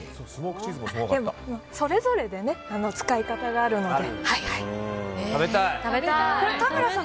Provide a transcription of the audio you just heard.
それぞれで使い方があるので。